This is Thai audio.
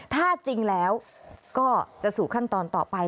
ถ้าจริงแล้วก็จะสู่ขั้นตอนต่อไป